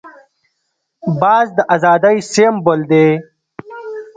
باز د آزادۍ سمبول دی